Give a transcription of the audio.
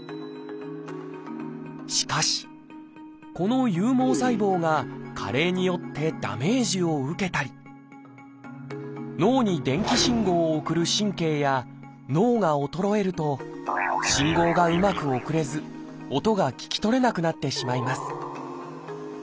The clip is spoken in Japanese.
しかしこの有毛細胞が加齢によってダメージを受けたり脳に電気信号を送る神経や脳が衰えると信号がうまく送れず音が聞き取れなくなってしまいます